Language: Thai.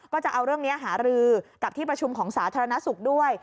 ก็จะเอาเรื่องนี้หารือกับที่ประชุมของสาธารณสุขด้วย